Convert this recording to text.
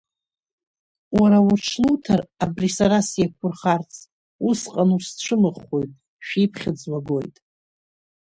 Уара уҽлуҭар абри са сеиқәурхарц, усҟан усцәымӷхоит, шәиԥхьыӡ уагоит!